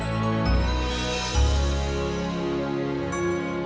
demi penjaraus sinara